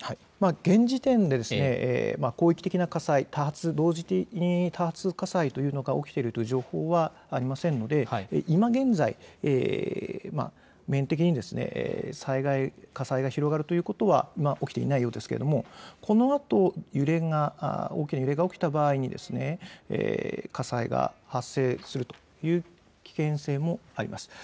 現時点で広域的な火災、同時多発的な火災が起きているという情報はありませんので今現在、火災が広がるということは起きていないんですけれどもこのあと大きな揺れが起きた場合に火災が発生するという危険性もあります。